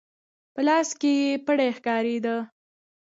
په لاس کې يې پړی ښکارېده.